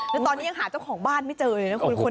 แล้วตอนนี้ยังหาเจ้าของบ้านไม่เจอเลยนะคุณ